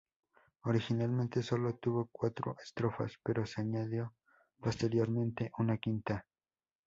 Originalmente sólo tuvo cuatro estrofas, pero se añadió posteriormente una quinta.